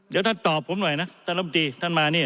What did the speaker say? เดี๋ยวท่านตอบผมหน่อยนะท่านลำตีท่านมานี่